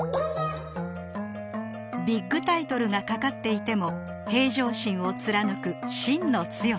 ビッグタイトルがかかっていても平常心を貫く芯の強さ